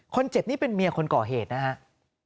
คนเจ็บนี่เป็นเมียคนก่อเหตุนะครับ